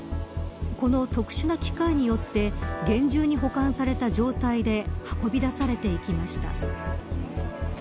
この特殊な機械によって厳重に保管された状態で運び出されていきました。